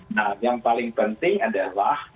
nah yang paling penting adalah